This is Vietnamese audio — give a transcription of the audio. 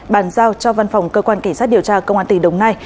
bàn giao cho văn phòng cơ quan cảnh sát điều tra công an tỉnh đồng nai